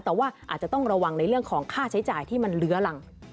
แต่ว่าอาจจะต้องระวังในเรื่องของค่าใช้จ่ายที่มันเลื้อรัง